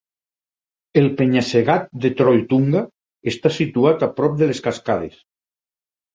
El penya-segat de Trolltunga està situat a prop de les cascades.